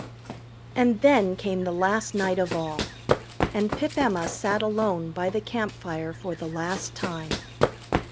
And then came the last night of all. And Pip Emma sat alone by the campfire for the last time.